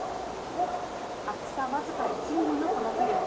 厚さ、わずか１ｍｍのこのフィルム。